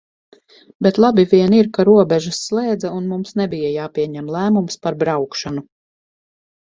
Bet labi vien ir, ka robežas slēdza un mums nebija jāpieņem lēmums par braukšanu.